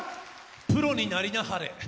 プロになりなはれ！